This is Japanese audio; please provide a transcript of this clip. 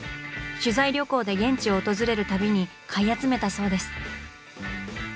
取材旅行で現地を訪れるたびに買い集めたそうです。